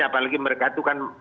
apalagi mereka tuh kan